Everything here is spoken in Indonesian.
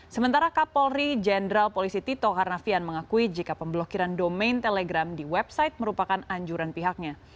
sementara kapolri jenderal polisi tito karnavian mengakui jika pemblokiran domain telegram di website merupakan anjuran pihaknya